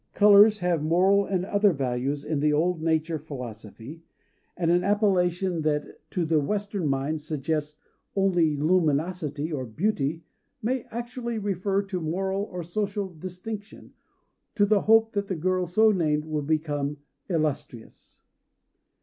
Colors have moral and other values in the old nature philosophy; and an appellation that to the Western mind suggests only luminosity or beauty may actually refer to moral or social distinction, to the hope that the girl so named will become "illustrious."